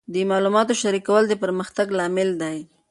د معلوماتو شریکول د پرمختګ لامل دی.